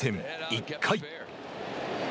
１回。